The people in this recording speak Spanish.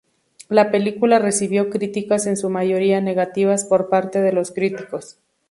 La película recibió críticas en su mayoría negativas por parte de los críticos.